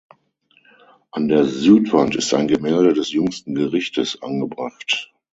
An der Südwand ist ein Gemälde des Jüngsten Gerichtes angebracht.